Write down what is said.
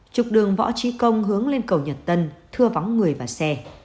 trục đường võ trí công hướng lên cầu nhật tân thưa vắng người và xe